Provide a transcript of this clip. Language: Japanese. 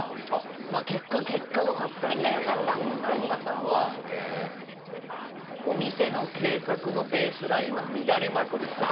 まあ結果よかったんですけどナンバさんはお店の計画のベースラインは乱れまくる人です。